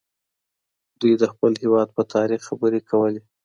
دوی د خپل هېواد په تاريخ خبري کولې.